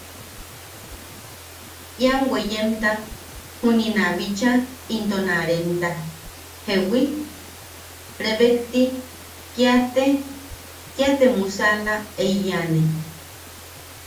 Ian weyemta juni na bicha into na remta ¿jewi? rebekti kia te kia te musaʼala eiyane.